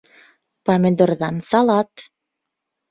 Помидорҙан салат